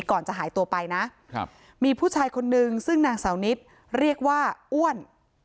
ก่อนจะหายตัวไปนะครับมีผู้ชายคนนึงซึ่งนางเสานิดเรียกว่าอ้วน